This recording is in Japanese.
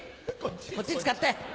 こっち使って！